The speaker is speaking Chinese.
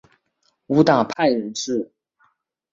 无党派人士。